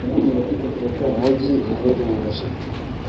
umujyi uhebuje